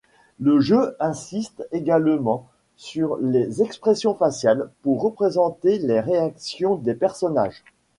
Le jeu insiste également sur les expressions faciales pour représenter les réactions des personnages.